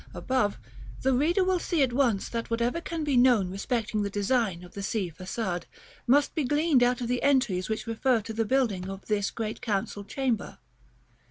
above, the reader will see at once that whatever can be known respecting the design of the Sea Façade, must be gleaned out of the entries which refer to the building of this Great Council Chamber.